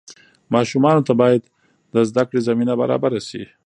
ماشومانو ته باید د زدهکړې زمینه برابره شي.